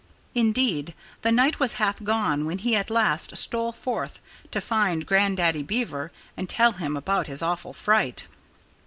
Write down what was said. Indeed, the night was half gone when he at last he stole forth to find Grandaddy Beaver and tell him about his awful fright.